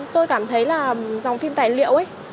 tôi cảm thấy là dòng phim tài liệu ấy